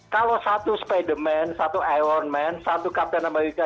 kalau satu spiderman satu iron man satu captain marvel